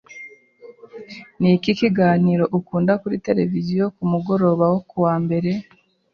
Niki kiganiro ukunda kuri TV kumugoroba wo kuwa mbere?